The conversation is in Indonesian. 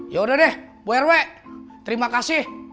yaudah deh bu rw terima kasih